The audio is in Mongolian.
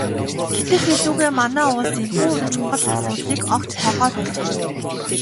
Гэтэл эдүгээ манай улс энэхүү чухал асуудлыг огт тоохоо байжээ.